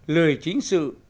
lười chính sự